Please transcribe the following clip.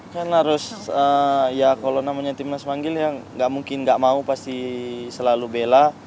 kan harus ya kalau namanya timnas manggil ya nggak mungkin nggak mau pasti selalu bela